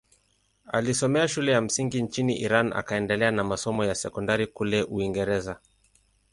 Alisoma shule ya msingi nchini Iran akaendelea na masomo ya sekondari kule Uingereza.